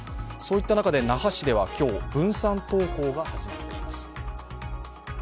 そういった中で那覇市では今日、分散登校が始まっています。